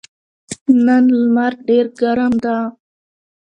نن لمر ډېر ګرم ده.